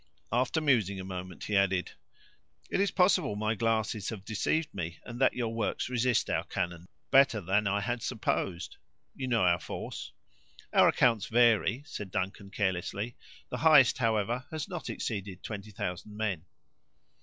After musing a moment, he added: "It is possible my glasses have deceived me, and that your works resist our cannon better than I had supposed. You know our force?" "Our accounts vary," said Duncan, carelessly; "the highest, however, has not exceeded twenty thousand men."